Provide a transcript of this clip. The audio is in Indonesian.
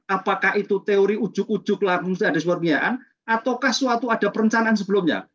apakah itu teori ujuk ujuk lakunya ada suatu penganiaan ataukah suatu ada perencanaan sebelumnya